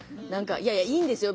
いやいやいいんですよ。